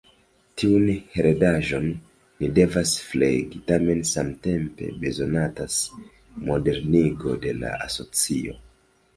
Tiun heredaĵon ni devas flegi, tamen samtempe bezonatas modernigo de la asocio.